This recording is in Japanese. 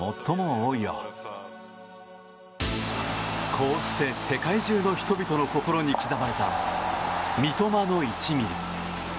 こうして世界中の人々の心に刻まれた三笘の１ｍｍ。